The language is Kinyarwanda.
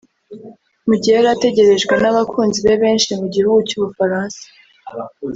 Mu gihe yari ategerejwe n'abakunzi be benshi mu gihugu cy'u Bufaransa